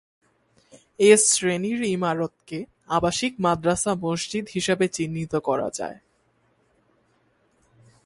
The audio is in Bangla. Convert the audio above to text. এ শ্রেণির ইমারতকে ‘আবাসিক মাদ্রাসা মসজিদ’ হিসেবে চিহ্নিত করা যায়।